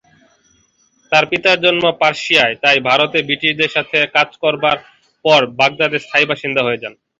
তার পিতার জন্ম পার্সিয়ায়, তাই ভারতে ব্রিটিশদের সাথে কাজ করবার পর বাগদাদে স্থায়ী বাসিন্দা হয়ে যান।